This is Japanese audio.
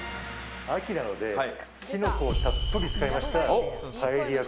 秋なのでキノコをたっぷり使いました